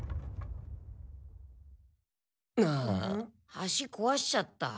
橋こわしちゃった。